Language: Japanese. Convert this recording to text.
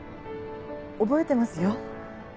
覚えてますよ。